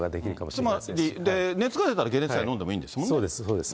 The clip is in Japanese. つまり、熱が出たら解熱剤飲んでもいいんですよね。